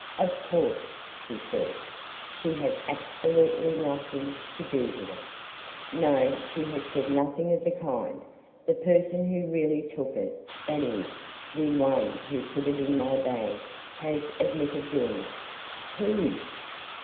Of course, she says she had absolutely nothing to do with it." "No, she has said nothing of the kind. The person who really took it that is, the one who put it in my bag has admitted doing it." "Who?"